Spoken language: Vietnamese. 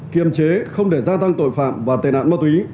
kiềm chế không để gia tăng tội phạm và tệ nạn ma túy